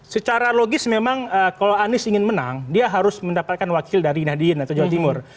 secara logis memang kalau anies ingin menang dia harus mendapatkan wakil dari nahdien atau jawa timur